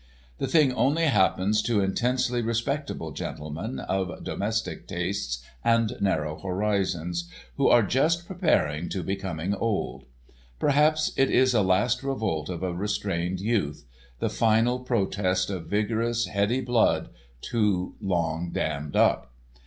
The thing only happens to intensely respectable gentlemen, of domestic tastes and narrow horizons, who are just preparing to become old. Perhaps it is a last revolt of a restrained youth—the final protest of vigorous, heady blood, too long dammed up.